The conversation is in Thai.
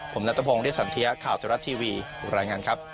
ผมนัทพงศ์ริสันเทียข่าวเทวรัฐทีวีรายงานครับ